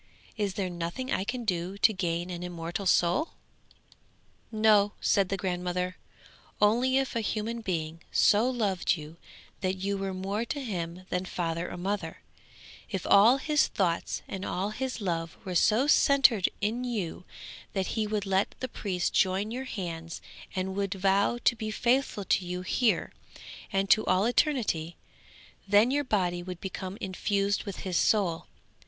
Is there nothing I can do to gain an immortal soul?' 'No,' said the grandmother; 'only if a human being so loved you that you were more to him than father or mother, if all his thoughts and all his love were so centred in you that he would let the priest join your hands and would vow to be faithful to you here, and to all eternity; then your body would become infused with his soul.